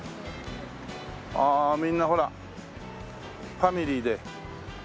ああみんなほらファミリーで。